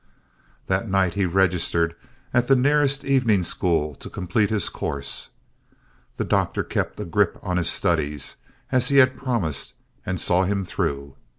That night he registered at the nearest evening school to complete his course. The Doctor kept a grip on his studies, as he had promised, and saw him through.